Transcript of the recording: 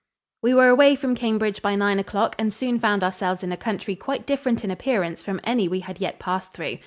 We were away from Cambridge by nine o'clock and soon found ourselves in a country quite different in appearance from any we had yet passed through.